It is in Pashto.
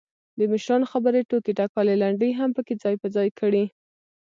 دمشرانو خبرې، ټوکې ټکالې، لنډۍ هم پکې ځاى په ځاى کړي.